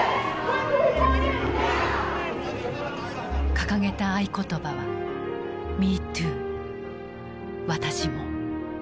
掲げた合言葉は「ＭｅＴｏｏ」。